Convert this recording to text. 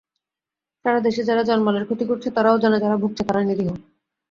সারা দেশে যারা জানমালের ক্ষতি করছে, তারাও জানে, যারা ভুগছে তারা নিরীহ।